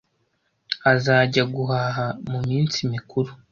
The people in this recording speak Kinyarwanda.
Azajya guhaha muminsi mikuru.